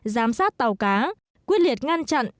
giám sát tàu cá quyết liệt ngăn chặn